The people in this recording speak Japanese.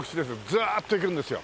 ずっといくんですよ。